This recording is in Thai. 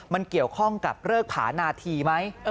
มันเกี่ยวข้องกับเริกผานาธีไหม